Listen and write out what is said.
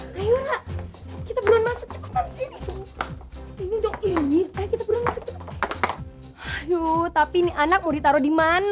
maksudnya kita bisa pulang sama cewek trus kefin